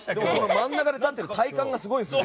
真ん中で立ってる体幹がすごいですね。